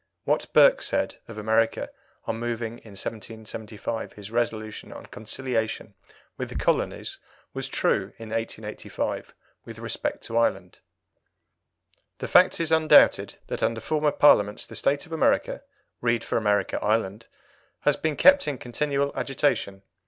What Burke said of America on moving in 1775 his resolution on conciliation with the colonies was true in 1885 with respect to Ireland: "The fact is undoubted, that under former Parliaments the state of America [read for America, Ireland] has been kept in continual agitation.